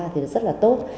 thì rất là tốt